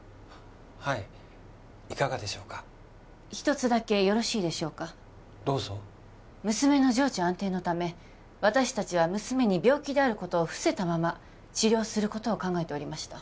はいいかがでしょうか一つだけよろしいでしょうかどうぞ娘の情緒安定のため私達は娘に病気であることを伏せたまま治療することを考えておりました